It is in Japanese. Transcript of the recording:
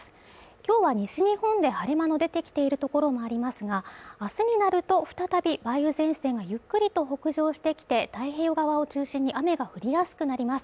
今日は西日本で晴れ間の出てきているところもありますが、明日になると再び梅雨前線がゆっくりと北上してきて、太平洋側を中心に雨が降りやすくなります。